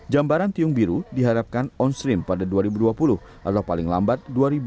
jambaran tiung biru diharapkan on stream pada dua ribu dua puluh atau paling lambat dua ribu dua puluh